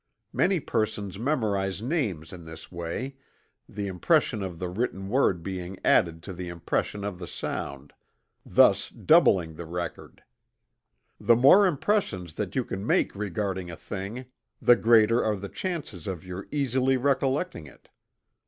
Many persons memorize names in this way, the impression of the written word being added to the impression of the sound, thus doubling the record. The more impressions that you can make regarding a thing, the greater are the chances of your easily recollecting it.